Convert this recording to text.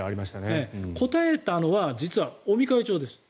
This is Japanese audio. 答えたのは実は尾身会長です。